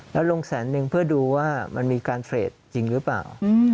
แล้วลงแสนนึงเพื่อดูว่ามันมีการเทรดจริงหรือเปล่า